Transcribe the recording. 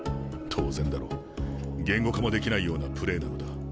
当然だろう言語化もできないようなプレーなのだ。